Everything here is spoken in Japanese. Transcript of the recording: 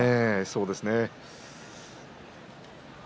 そうですね。